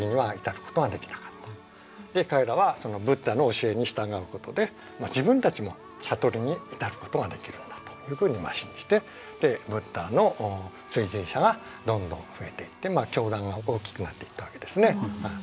で彼らはそのブッダの教えに従うことで自分たちも悟りに至ることができるのだというふうに信じてブッダの追随者がどんどん増えていって教団が大きくなっていったわけですね。